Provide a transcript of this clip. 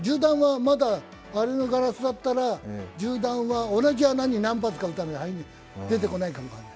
あのガラスだったら、銃弾は同じ穴に何発か撃たないと出てこないかもしれない。